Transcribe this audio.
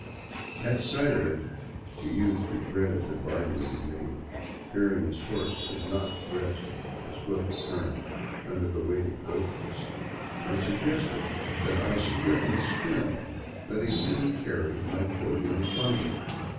At sight of it the youth regretted the bargain he had made, fearing his horse could not breast the swift current under the weight of both of us, and suggested that I strip and swim, letting him carry my clothing and bundle.